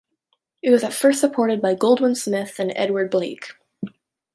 It was at first supported by Goldwin Smith and Edward Blake.